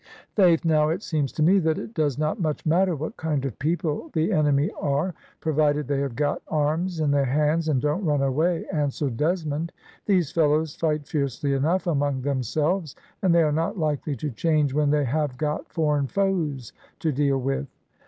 "Faith, now it seems to me that it does not much matter what kind of people the enemy are, provided they have got arms in their hands, and don't run away," answered Desmond. "These fellows fight fiercely enough among themselves, and they are not likely to change when they have got foreign foes to deal with."